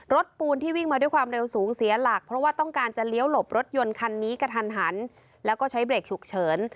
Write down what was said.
ปูนที่วิ่งมาด้วยความเร็วสูงเสียหลักเพราะว่าต้องการจะเลี้ยวหลบรถยนต์คันนี้กระทันหันแล้วก็ใช้เบรกฉุกเฉิน